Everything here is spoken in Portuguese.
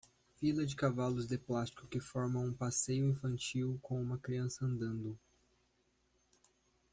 Fila de cavalos de plástico que formam um passeio infantil com uma criança andando.